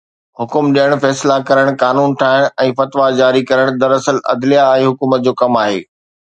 حڪم ڏيڻ، فيصلا ڪرڻ، قانون ٺاهڻ ۽ فتويٰ جاري ڪرڻ دراصل عدليه ۽ حڪومت جو ڪم آهي.